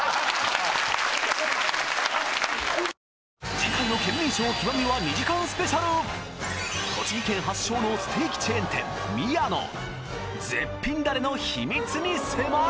次回の『ケンミンＳＨＯＷ極』は２時間ＳＰ栃木県発祥のステーキチェーン店「宮」の絶品ダレの秘密に迫る！